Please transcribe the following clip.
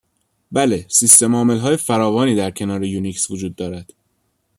بله، سیستم عاملهای فراوانی در کنار یونیکس وجود دارد.